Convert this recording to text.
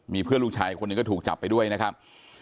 มีเพื่อนลูกชายอีกคนนึงก็ถูกจับไปด้วยนะครับ